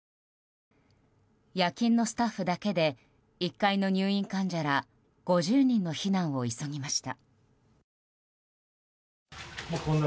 夜勤のスタッフだけで１階の入院患者ら５０人の避難を急ぎました。